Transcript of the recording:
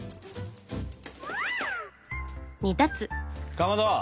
かまど！